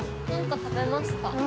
何か食べますか？